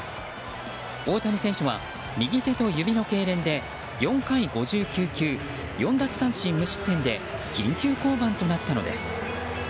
大谷選手は右手と指のけいれんで４回５９球、４奪三振無失点で緊急降板となったのです。